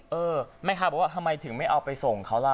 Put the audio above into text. เออแม่ค้าบอกว่าทำไมถึงไม่เอาไปส่งเขาล่ะ